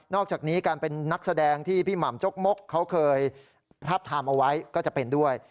อกจากนี้การเป็นนักแสดงที่พี่หม่ำจกมกเขาเคยพราบไทม์เอาไว้ก็จะเป็นด้วย